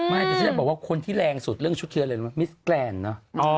ไม่แต่ฉันจะบอกว่าคนที่แรงสุดเรื่องชุดเทียนเลยมิสแกรนเนอะ